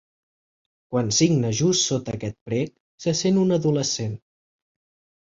Quan signa just sota aquest prec se sent un adolescent.